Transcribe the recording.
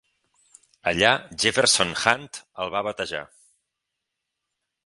Allà Jefferson Hunt el va batejar.